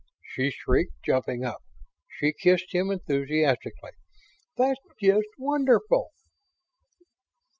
she shrieked. Jumping up, she kissed him enthusiastically. "That's just wonderful!"